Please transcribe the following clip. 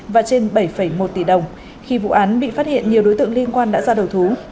và trên bảy một tỷ đồng khi vụ án bị phát hiện nhiều đối tượng liên quan đã ra đầu thú